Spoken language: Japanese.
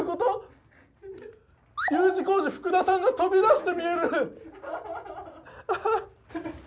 Ｕ字工事福田さんが飛び出して見える！